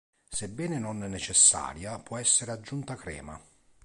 Sebbene non necessaria, può essere aggiunta crema.